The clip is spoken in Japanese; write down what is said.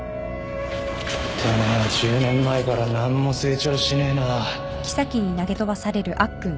てめえは１０年前から何も成長しねえな